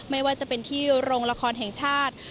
ไม่ว่าจะเป็นที่โรงละครแห่งชาติ